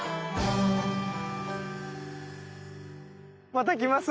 また来ます。